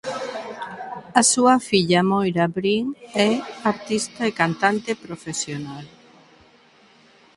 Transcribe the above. A súa filla Moira Breen é artista e cantante profesional.